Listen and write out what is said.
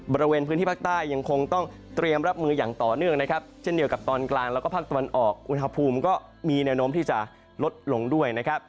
บริเวณพื้นที่ภาคใต้ยังคงต้องเตรียมรับมืออย่างต่อเนื่องนะครับเช่นเดียวกับตอนกลางแล้วก็ภาคตะวันออกอุณหภูมิก็มีแนวโน้มที่จะลดลงด้วยนะครับ